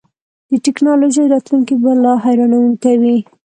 د ټیکنالوژۍ راتلونکی به لا حیرانوونکی وي.